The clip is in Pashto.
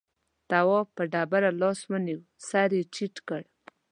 تواب په ډبره لاس ونيو سر يې ټيټ کړ.